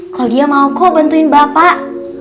klaudia mau kok bantuin bapak